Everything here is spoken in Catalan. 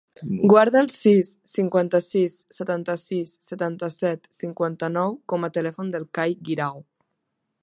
Guarda el sis, cinquanta-sis, setanta-sis, setanta-set, cinquanta-nou com a telèfon del Kai Guirao.